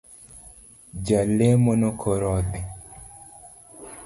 Jalemono koro dhii.